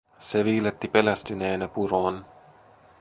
Se viiletti pelästyneenä puroon.